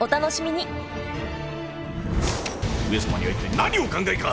上様には一体何をお考えか。